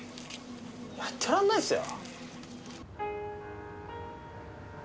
やってらんないっすよ。